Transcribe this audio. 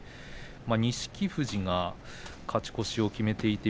錦富士が勝ち越しを決めていて翠